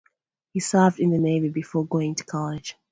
He served in the Navy before going to college.